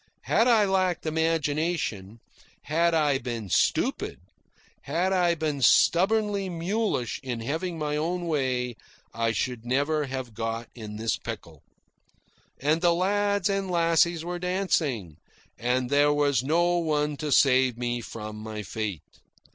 Had I lacked imagination, had I been stupid, had I been stubbornly mulish in having my own way, I should never have got in this pickle. And the lads and lassies were dancing, and there was no one to save me from my fate.